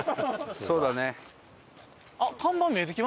そうだね。